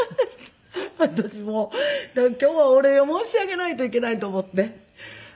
私もう今日はお礼を申し上げないといけないと思って。